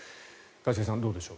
一茂さん、どうでしょう。